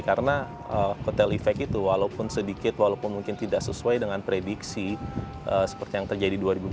karena go tail effect itu walaupun sedikit walaupun mungkin tidak sesuai dengan prediksi seperti yang terjadi dua ribu empat belas